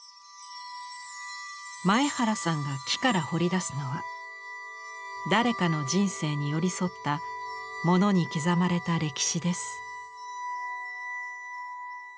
前原さんが木から彫り出すのは誰かの人生に寄り添ったモノに刻まれた歴史です。